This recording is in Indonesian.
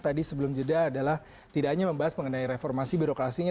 tadi sebelum jeda adalah tidak hanya membahas mengenai reformasi birokrasinya